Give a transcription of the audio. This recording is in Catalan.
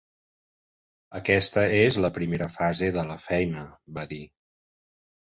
"Aquesta és la primera fase de la feina", va dir.